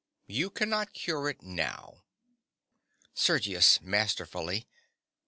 You cannot cure it now. SERGIUS. (masterfully).